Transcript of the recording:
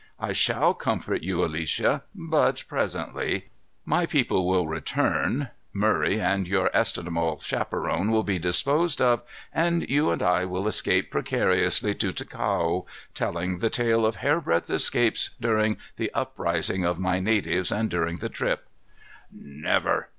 "I shall comfort you, Alicia, but presently. My people will return, Murray and your estimable chaperon will be disposed of, and you and I will escape precariously to Ticao, telling the tale of hairbreadth escapes during the uprising of my natives and during the trip." "Never!"